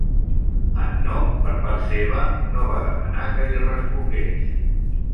Hannaud, per part seva, no va demanar que li respongués.